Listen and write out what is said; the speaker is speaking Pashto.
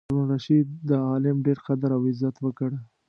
هارون الرشید د عالم ډېر قدر او عزت وکړ.